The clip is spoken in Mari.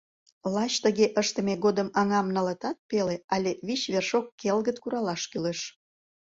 Лач тыге ыштыме годым аҥам нылытат пеле але вич вершок келгыт куралаш кӱлеш.